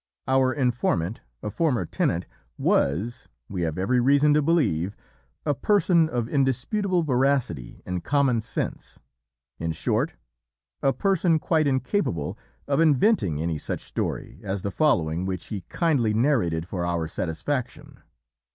Our informant, a former tenant, was, we have every reason to believe, a person of indisputable veracity and common sense, in short, a person quite incapable of inventing any such story as the following which he kindly narrated for our satisfaction.